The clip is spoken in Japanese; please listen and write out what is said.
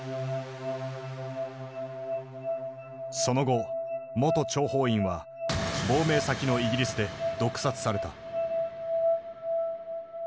その後元諜報員は亡命先のイギリスで毒殺された。